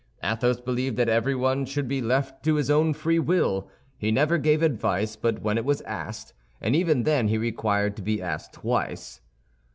Athos believed that everyone should be left to his own free will. He never gave advice but when it was asked, and even then he required to be asked twice.